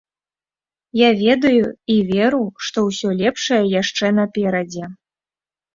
Я ведаю і веру, што ўсё лепшае яшчэ наперадзе.